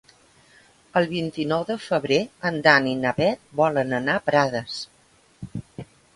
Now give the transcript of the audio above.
El vint-i-nou de febrer en Dan i na Bet volen anar a Prades.